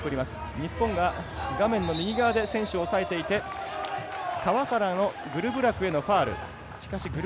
日本が画面の右側で選手を抑えていて川原のグルブラクへのファウル。